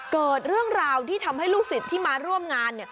เกิดเรื่องราวที่ทำให้ลูกศิษย์ที่มาร่วมงาน